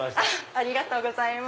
ありがとうございます。